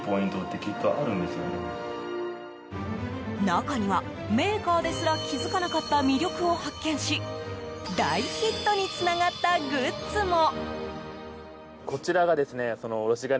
中には、メーカーですら気づかなかった魅力を発見し大ヒットにつながったグッズも。